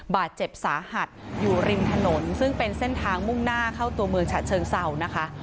บาดเจ็บสาหัสอยู่ริมถนนซึ่งเป็นเส้นทางมุ่งหน้าเข้าตัวเมืองฉะเชิงเศร้านะคะ